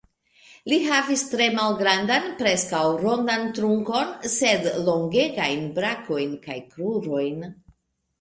Li havis tre malgrandan, preskaŭ rondan trunkon, sed longegajn brakojn kaj krurojn.